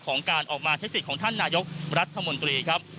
ของการออกมาใช้สิทธิ์ของท่านนายกรัฐมนตรีครับ